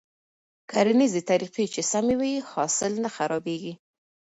کرنيزې طريقې چې سمې وي، حاصل نه خرابېږي.